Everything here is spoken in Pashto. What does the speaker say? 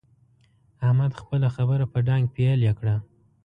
احمد خپله خبره په ډانګ پېيلې کړه.